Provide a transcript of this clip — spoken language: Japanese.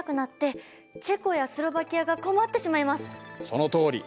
そのとおり。